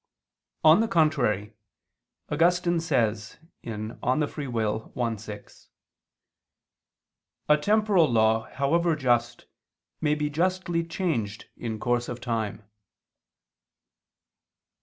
On the contrary, Augustine says (De Lib. Arb. i, 6): "A temporal law, however just, may be justly changed in course of time."